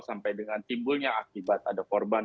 sampai dengan timbulnya akibat ada korban